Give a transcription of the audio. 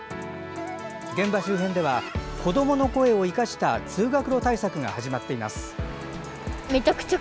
現場周辺では子どもの声を生かした通学路対策が始まっています。